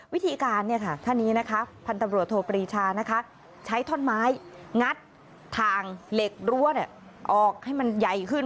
วิธีการถ้านี้พันธบริชาใช้ถอนไม้งัดทางเหล็กรั้วออกให้มันใหญ่ขึ้น